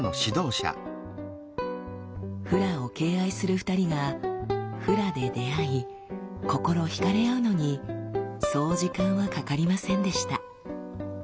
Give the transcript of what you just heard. フラを敬愛する２人がフラで出会い心惹かれ合うのにそう時間はかかりませんでした。